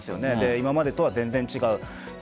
今までとは全然違う。